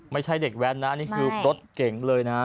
ไม่ใช่เด็กแว้นนะนี่คือรถเก่งเลยนะ